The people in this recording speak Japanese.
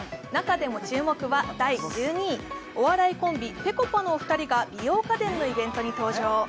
中でも注目は第１２位、お笑いコンビぺこぱのお二人が美容家電のイベントに登場。